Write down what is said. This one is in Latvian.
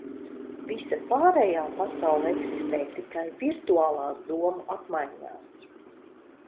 Visa pārējā pasaule eksistē tikai virtuālās domu apmaiņās.